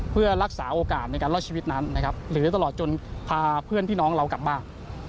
เพื่อรักษาโอกาสในการรอดชีวิตนั้นนะครับหรือตลอดจนพาเพื่อนพี่น้องเรากลับบ้าน